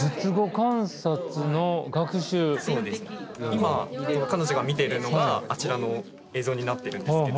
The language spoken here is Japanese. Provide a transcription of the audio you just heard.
今彼女が見ているのがあちらの映像になってるんですけど。